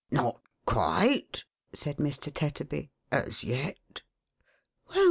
" Not quite," said Mr. Tetterby, " as yet" " Well !